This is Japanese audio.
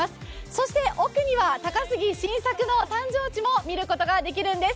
そして奥には高杉晋作の誕生地も見ることができるんです。